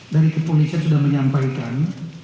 dari kepolisian sudah menyampaikan